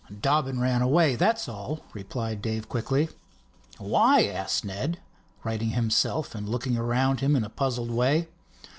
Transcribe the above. "Dobbin ran away, that's all," replied Dave quickly. "Why?" asked Ned, righting himself and looking around him in a puzzled way.